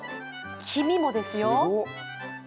黄身もですよ。